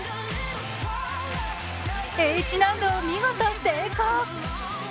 Ｈ難度を見事成功。